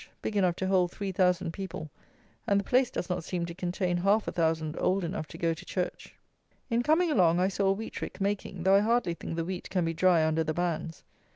Big enough to hold 3,000 people; and the place does not seem to contain half a thousand old enough to go to church. In coming along I saw a wheat rick making, though I hardly think the wheat can be dry under the bands.